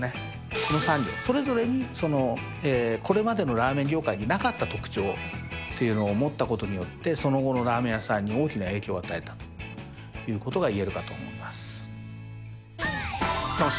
その３軒、それぞれにこれまでのラーメン業界になかった特徴というのを持ったことによって、その後のラーメン屋さんに大きな影響を与えたということが言えるそして